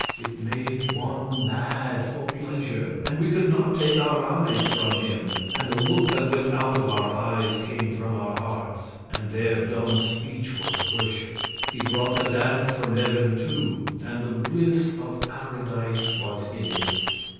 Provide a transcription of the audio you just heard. It made one mad, for pleasure; and we could not take our eyes from him, and the looks that went out of our eyes came from our hearts, and their dumb speech was worship. He brought the dance from heaven, too, and the bliss of paradise was in it.